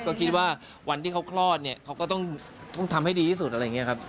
ก็คิดว่าวันที่เขาคลอดเนี่ยเขาก็ต้องทำให้ดีที่สุดอะไรอย่างนี้ครับ